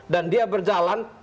dan dia berjalan